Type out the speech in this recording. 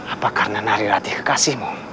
apa karena nari latih kekasihmu